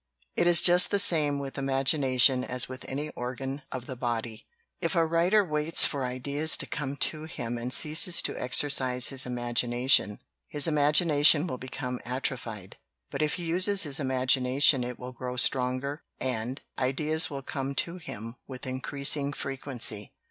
"It is just the same with imagination as with any organ of the body. If a writer waits for ideas to come to him and ceases to exercise his imagina tion, his imagination will become atrophied. But if he uses his imagination it will grow stronger and ideas will come to him with increasing frequency."